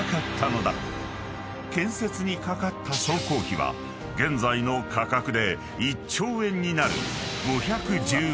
［建設にかかった総工費は現在の価格で１兆円になる］